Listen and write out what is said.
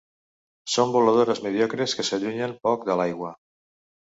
Són voladores mediocres que s'allunyen poc de l'aigua.